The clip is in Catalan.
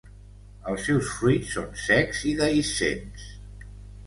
Els seus fruits són secs i dehiscents.